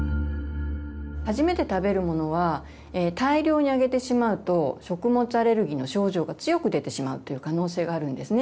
初めて食べるものは大量にあげてしまうと食物アレルギーの症状が強く出てしまうという可能性があるんですね。